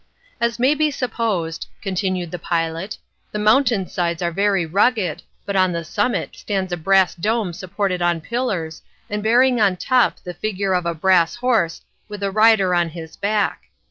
As may be supposed continued the pilot the mountain sides are very rugged, but on the summit stands a brass dome supported on pillars, and bearing on top the figure of a brass horse, with a rider on his back.